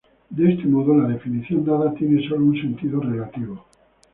De este modo, la definición dada tiene sólo un sentido relativo.